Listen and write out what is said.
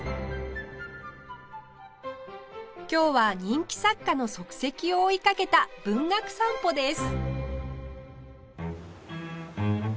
今日は人気作家の足跡を追いかけた文学散歩です